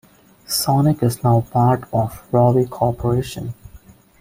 Sonic is now part of Rovi Corporation.